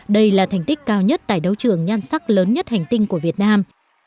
đây là thành tích cao nhất tại đấu trường nhan sắc lớn nhất hành tinh của việt nam